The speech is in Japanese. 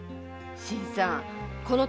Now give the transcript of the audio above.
新さん